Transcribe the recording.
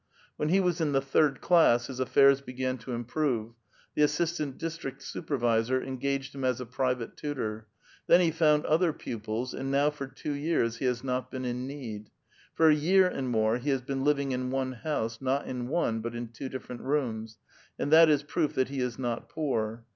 When he was in the third class, his affairs began to improve ; the assistant district supervisor engaged him as a private tutor ; then he found other pupils, and now for two years he has not been in need ; for a year and more he has been living in one house, not in one, but in two different rooms ; and that is proof that he is not poor.